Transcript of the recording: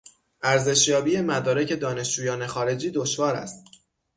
ارزشیابی مدارک دانشجویان خارجی دشوار است.